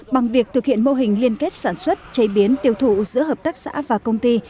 bằng việc thực hiện mô hình liên kết sản xuất chế biến tiêu thụ giữa hợp tác xã và công ty